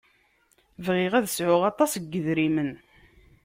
Bɣiɣ ad sɛuɣ aṭas n yedrimen.